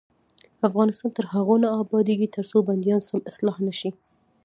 افغانستان تر هغو نه ابادیږي، ترڅو بندیان سم اصلاح نشي.